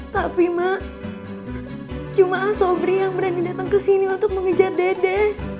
pak bima cuma sobri yang berani datang ke sini untuk mengejar dede